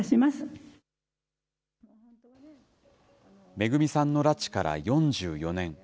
めぐみさんの拉致から４４年。